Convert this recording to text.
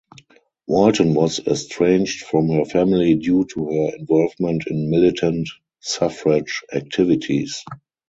Walton was estranged from her family due to her involvement in militant suffrage activities.